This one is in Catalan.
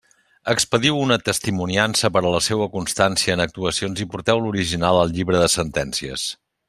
Expediu una testimoniança per a la seua constància en actuacions, i porteu l'original al llibre de sentències.